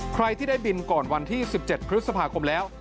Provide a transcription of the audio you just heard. ใครที่ได้บินก่อนวันที่๑๗พฤษภาคมแล้ว